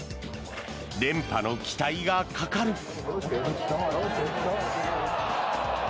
連覇の期待がかかる。